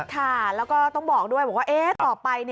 ค่ะแล้วก็ต้องบอกด้วยบอกว่าต่อไป